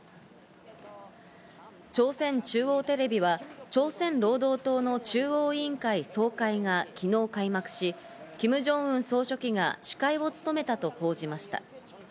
朝鮮中央テレビは朝鮮労働党の中央委員会総会が昨日開幕し、キム・ジョンウン総書記が司会を務めたと報じました。